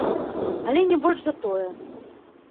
Але не больш за тое.